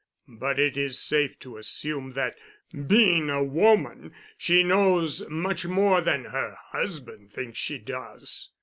But it is safe to assume that, being a woman, she knows much more than her husband thinks she does.